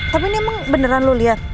tapi ini emang beneran lo liat